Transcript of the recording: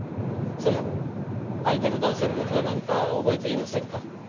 その相手の男性の事は何か覚えていませんか？